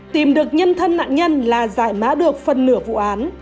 tìm được nhân thân nạn nhân là giải mã được phần nửa vụ án